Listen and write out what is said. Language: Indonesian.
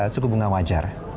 suku bunga wajar